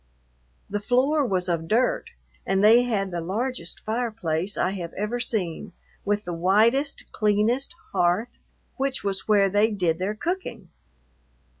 The floor was of dirt, and they had the largest fireplace I have ever seen, with the widest, cleanest hearth, which was where they did their cooking.